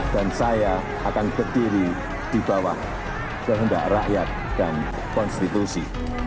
dan saya akan ketiri di bawah kehendak rakyat dan konstitusi